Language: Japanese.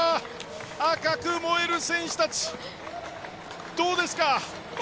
赤く燃える選手たちどうですか。